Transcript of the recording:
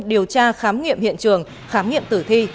điều tra khám nghiệm hiện trường khám nghiệm tử thi